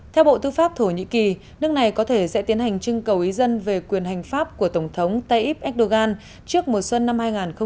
theo bộ tư pháp thổ nhĩ kỳ nước này có thể sẽ tiến hành trưng cầu ý dân về quyền hành pháp của tổng thống tayyip erdogan trước mùa xuân năm hai nghìn hai mươi